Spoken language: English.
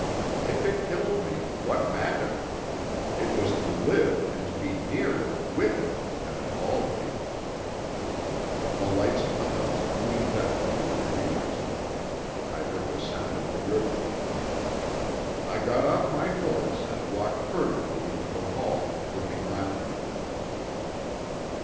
If it killed me, what matter? It was to live and to be near it, with it, that appalled me. The lights of the house gleamed out through the trees. I heard the sound of the river. I got off my horse and walked furtively into the hall, looking round me.